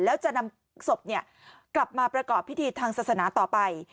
แล้วจะนำศพกลับมาประกอบพิธีทางศาสนาต่อไป